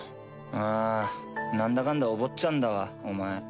ああなんだかんだお坊ちゃんだわお前。